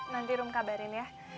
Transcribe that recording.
nanti rum kabarin ya